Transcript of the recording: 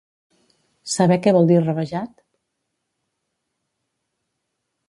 Saber què vol dir rabejat?